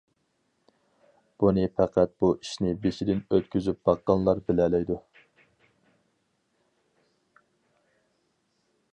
بۇنى پەقەت بۇ ئىشنى بېشىدىن ئۆتكۈزۈپ باققانلار بىلەلەيدۇ.